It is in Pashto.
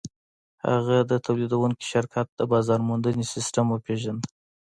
هغه د تولیدوونکي شرکت د بازار موندنې سیسټم وپېژند